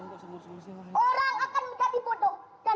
orang akan menjadi bodoh dan tidak bisa berprestasi